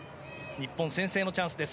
日本、先制のチャンスです